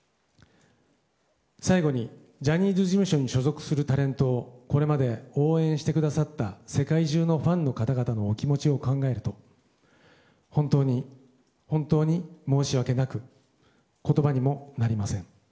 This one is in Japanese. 最後に、ジャニーズ事務所に所属するタレントをこれまで応援してくださった世界中のファンの方々のお気持ちを考えると本当に本当に申し訳なく言葉にもなりません。